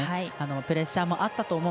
プレッシャーもあったと思う。